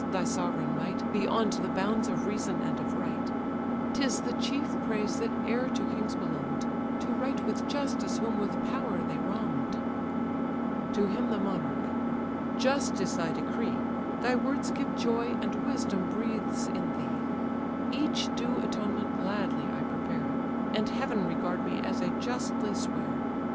thy sovereign might Beyond the bounds of reason and of right; 'Tis the chief praise that e'er to kings belong'd, To right with justice whom with power they wrong'd." To him the monarch: "Just is thy decree, Thy words give joy, and wisdom breathes in thee. Each due atonement gladly I prepare; And heaven regard me as I justly swear!